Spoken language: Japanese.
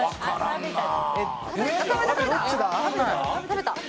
食べた！